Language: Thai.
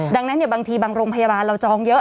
ดังนั้นบางทีบางโรงพยาบาลเราจองเยอะ